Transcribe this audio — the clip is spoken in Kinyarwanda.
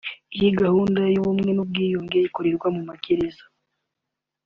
Iyi gahunda y’ubumwe n’ubwiyunge ikorerwa mu magereza